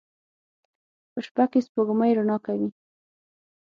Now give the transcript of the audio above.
په شپه کې سپوږمۍ رڼا کوي